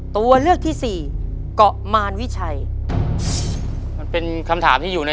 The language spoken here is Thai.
ตัวเลือกที่สี่เกาะมารวิชัยมันเป็นคำถามที่อยู่ใน